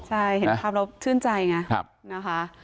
ใช่เห็นภาพเราชื่นใจไง